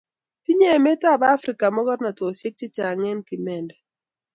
tinyei emetab Afrika mogornotosiek chechang eng kiminde